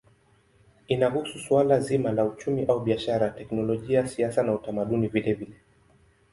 Inahusu suala zima la uchumi au biashara, teknolojia, siasa na utamaduni vilevile.